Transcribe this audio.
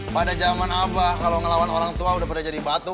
pada zaman abah kalau melawan orang tua udah pada jadi batu